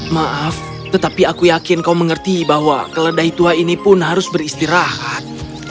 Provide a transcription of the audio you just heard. maaf tetapi aku yakin kau mengerti bahwa keledai tua ini pun harus beristirahat